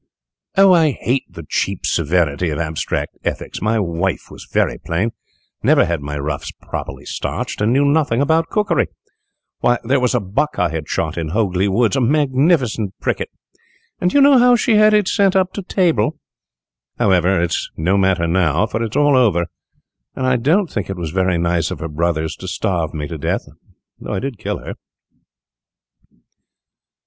"Oh, I hate the cheap severity of abstract ethics! My wife was very plain, never had my ruffs properly starched, and knew nothing about cookery. Why, there was a buck I had shot in Hogley Woods, a magnificent pricket, and do you know how she had it sent to table? However, it is no matter now, for it is all over, and I don't think it was very nice of her brothers to starve me to death, though I did kill her."